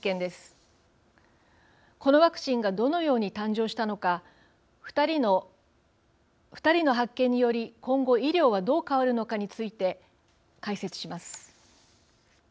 このワクチンがどのように誕生したのか２人の発見により今後医療はどう変わるのかについて解説します。